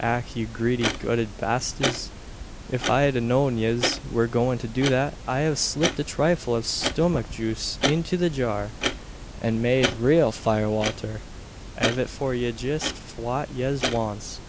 Ach! ye greedy gutted bastes! If I'd a known yez were goin' to do that, I'd av slipped a thrifle av shumach juice into the jar, an made raal firewater av it for ye jist fwhat yez wants.